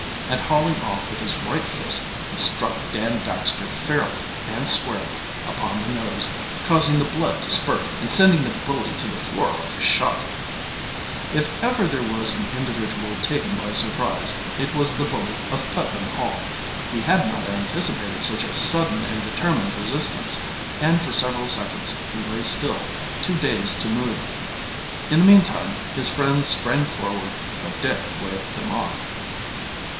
And hauling off with his right fist, he struck Dan Baxter fairly and squarely upon the nose, causing the blood to spurt and sending the bully to the floor like a shot. If ever there was an individual taken by surprise it was the bully of Putnam Hall. He had not anticipated such a sudden and determined resistance, and for several seconds he lay still, too dazed to move. In the meantime his friends sprang forward, but Dick waved them off.